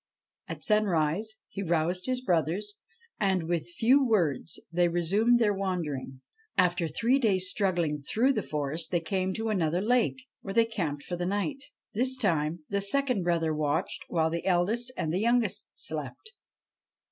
At sun rise he roused his brothers, and, with few words, they resumed their wandering. After three days struggling through the forest, they came to another lake, where they camped for the night. This time the second brother watched, while the eldest and the youngest slept.